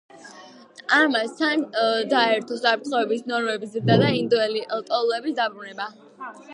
ამას თან დაერთო უსაფრთხოების ნორმების ზრდა და ინდოელი ლტოლვილების დაბრუნება.